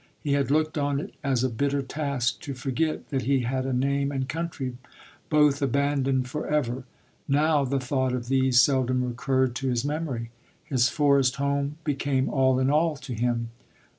He had looked on it as a bitter task to forget that he had a name and country, both abandoned for ever ; now, the thought of these seldom recurred to his memory. His forest home became all in all to him.